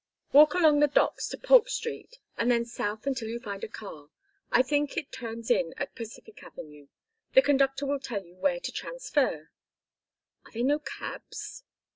"Walk along the docks to Polk Street and then south until you find a car I think it turns in at Pacific Avenue. The conductor will tell you where to transfer " "Are there no cabs?"